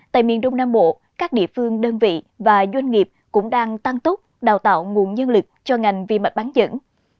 tại miền đông nam bộ các địa phương đơn vị và doanh nghiệp cũng đang tăng tốt đào tạo nguồn nhân lực cho ngành vi mạch bán dẫn